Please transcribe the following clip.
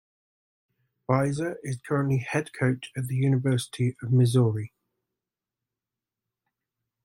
Bieser is currently Head Coach at the University of Missouri.